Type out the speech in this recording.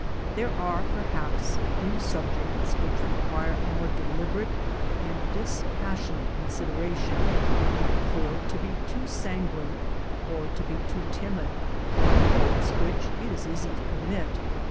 There are, perhaps, few subjects which require more deli berate and dispassionate consideration ; for to be too sanguine, or to be too timid, are faults which it is easy to commit.